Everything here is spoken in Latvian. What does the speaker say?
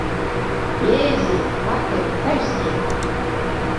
Jēziņ! Martai bija taisnība.